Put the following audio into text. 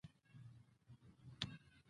• مینه د بې وسۍ زور دی.